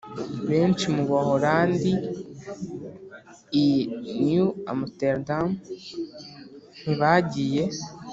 benshi mu baholandi i new amsterdam ntibagiye.